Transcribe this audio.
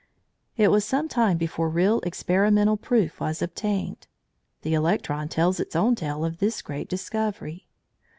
It was some time before real experimental proof was obtained. The electron tells its own tale of this great discovery.